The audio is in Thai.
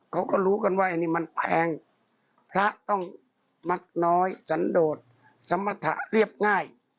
เขาก็รู้กันว่าอันนี้มันแพงพระต้องมักน้อยสันโดดสมรรถะเรียบง่าย